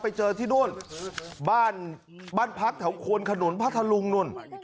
ไปเจอที่นู่นบ้านบ้านพักแถวควนขนุนพัทธลุงนู่น